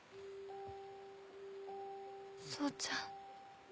草ちゃん。